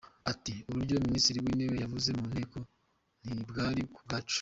Ati: “Uburyo Minisitiri w’Intebe yavuze mu nteko ntibwari ku bwacu.